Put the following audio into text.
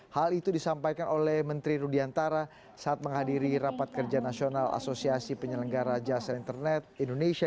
hal itu disampaikan oleh menteri rudiantara saat menghadiri rapat kerja nasional asosiasi penyelenggara jasa internet indonesia